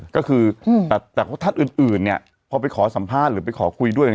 ก็คืออืมแต่แต่ว่าถ้าอื่นอื่นเนี้ยพอไปขอสัมภาษณ์หรือไปขอคุยด้วยอย่าง